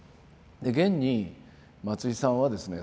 現に松井さんはですね